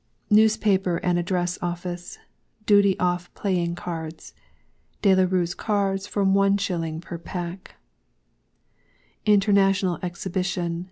NEWSPAPER AND ADDRESS OFFICE. DUTY OFF PLAYING CARDS. De La RueŌĆÖs Cards from 1s. per pack. INTERNATIONAL EXHIBITION.